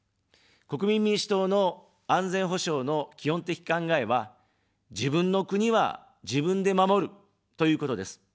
国民民主党の安全保障の基本的考えは、自分の国は自分で守る、ということです。